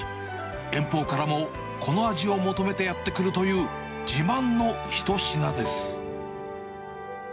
遠方からもこの味を求めてやって来るという、自慢の一品です。